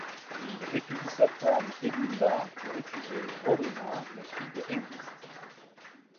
Il répudie sa femme Edmunda pour épouser Rowena, la fille de Hengist.